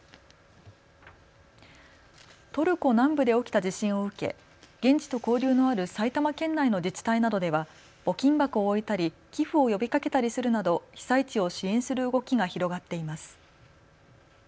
トルコ南部で起きた地震を受け現地と交流のある埼玉県内の自治体などでは募金箱を置いたり寄付を呼びかけたりするなど被災地を支援する動きが広がっています。